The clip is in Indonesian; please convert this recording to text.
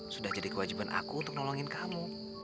sudah jadi kewajiban aku untuk nolongin kamu